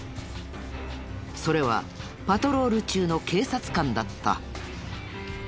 それはパトロール中の警察官だった。